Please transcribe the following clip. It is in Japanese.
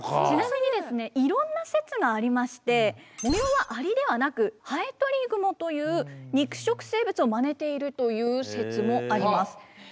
ちなみにですねいろんな説がありまして模様はアリではなくハエトリグモという肉食生物をまねているという説もあります。